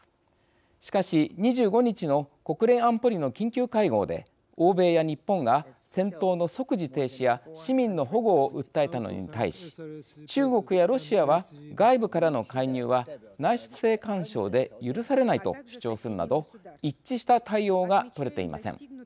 しかし２５日の国連安保理の緊急会合で欧米や日本が、戦闘の即時停止や市民の保護を訴えたのに対し中国やロシアは外部からの介入は内政干渉で許されないと主張するなど一致した対応が取れていません。